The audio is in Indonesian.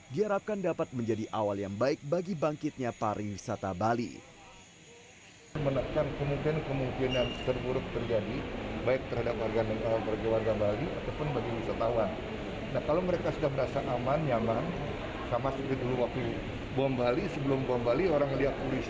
diharapkan dapat menjadi awal yang baik bagi bangkitnya pariwisata bali